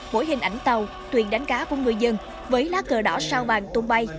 mỗi hình ảnh tàu thuyền đánh cá của ngư dân với lá cờ đỏ sao vàng tung bay